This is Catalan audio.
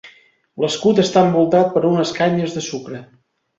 L'escut està envoltat per unes canyes de sucre.